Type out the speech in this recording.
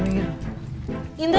lo saya deh indra